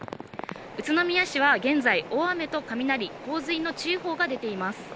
宇都宮市は現在、大雨と雷、洪水の注意報が出ています。